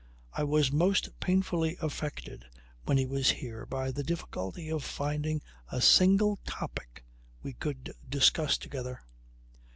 I was most painfully affected when he was here by the difficulty of finding a single topic we could discuss together."